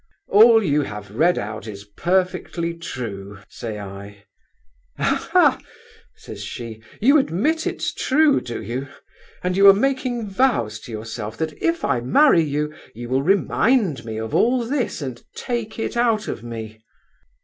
'All you have read out is perfectly true,' say I. 'Aha!' says she, 'you admit it's true, do you? And you are making vows to yourself that if I marry you, you will remind me of all this, and take it out of me.